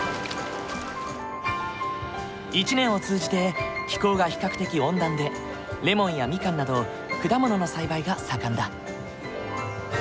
一年を通じて気候が比較的温暖でレモンやミカンなど果物の栽培が盛んだ。